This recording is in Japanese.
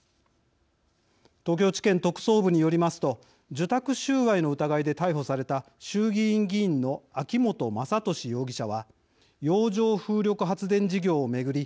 東京地検特捜部によりますと受託収賄の疑いで逮捕された衆議院議員の秋本真利容疑者は洋上風力発電事業を巡り